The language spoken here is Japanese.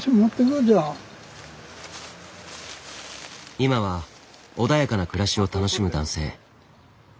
今は穏やかな暮らしを楽しむ男性。